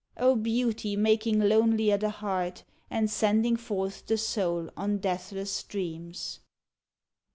O beauty making lonelier the heart, And sending forth the soul on deathless dreams